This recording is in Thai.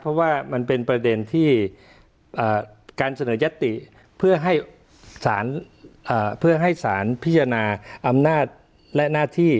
เพราะว่ามันเป็นประเด็นที่การเสนอยัตติเพื่อให้สารเพื่อให้สารพิจารณาอำนาจและหน้าที่